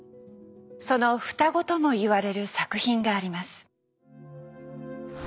その双子ともいわれる作品があります。